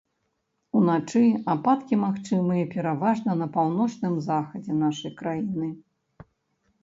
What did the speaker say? Уначы ападкі магчымыя пераважна на паўночным захадзе нашай краіны.